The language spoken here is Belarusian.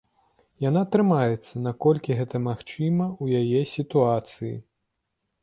Яна трымаецца, наколькі гэта магчыма ў яе сітуацыі.